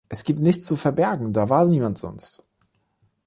Es gibt nichts zu verbergen, da war niemand sonst“.